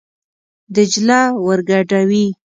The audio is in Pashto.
دجله ور ګډوي.